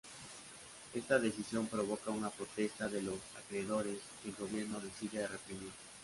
Esta decisión provoca una protesta de los acreedores, que el gobierno decide reprimir.